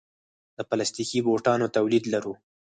د پلاستیکي بوټانو تولید لرو؟